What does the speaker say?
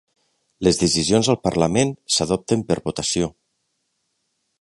Les decisions al parlament s'adopten per votació